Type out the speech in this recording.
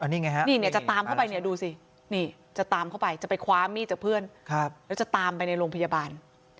นี่จะตามเข้าไปเนี่ยดูสิจะไปคว้ามีดจากเพื่อนแล้วจะตามไปในโรงพยาบาล